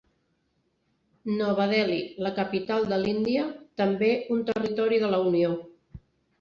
Nova Delhi, la capital de l'Índia, també un territori de la Unió.